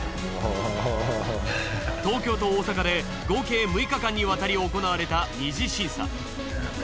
東京と大阪で合計６日間にわたり行われた二次審査。